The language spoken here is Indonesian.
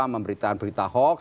memberitahu berita hoax